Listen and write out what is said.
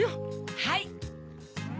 はい！